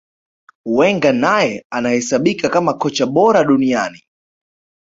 Wenger naye anahesabika kama kocha bora duniani